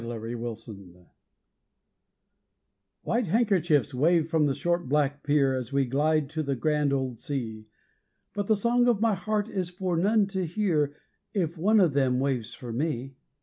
The Vagabond White handkerchiefs wave from the short black pier As we glide to the grand old sea But the song of my heart is for none to hear If one of them waves for me.